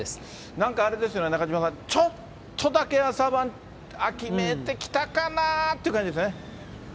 なんかあれですよね、中島さん、ちょっとだけ朝晩、秋めいてきたかな？って感じですね。